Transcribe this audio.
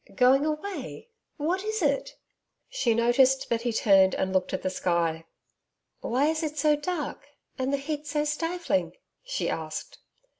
'Going away what is it?' She noticed that he turned and looked at the sky. 'Why is it so dark and the heat so stifling?' she asked.